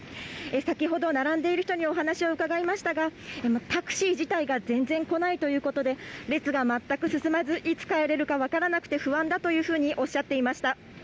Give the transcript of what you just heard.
先ほど並んでいる人にお話を伺いましたがタクシー自体が全然来ないということで列が全く進まず、いつ帰れるか分からなくて不安だというふうにおっしゃっていました。